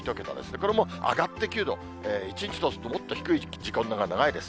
これも上がって９度、一日通すともっと低い時間のほうが長いです。